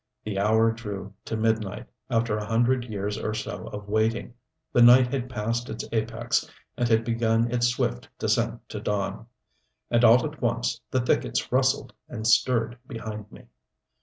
The hour drew to midnight, after a hundred years or so of waiting; the night had passed its apex and had begun its swift descent to dawn. And all at once the thickets rustled and stirred behind me.